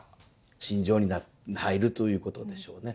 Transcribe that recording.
心情に入るということでしょうね。